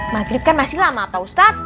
maghrib kan masih lama pak ustadz